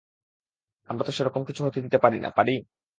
আমরা তো সেরকম কিছু হতে দিতে পারি না, পারি?